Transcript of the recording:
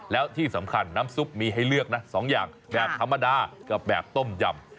แล้วที่สำคัญน้ำซุปมีให้เลือกนะ๒อย่างแบบธรรมดากับแบบต้มยำ